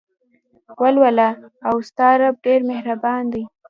ولوله او ستا رب ډېر مهربان دى.